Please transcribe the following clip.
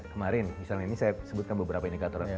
kemarin misalnya ini saya sebutkan beberapa indikator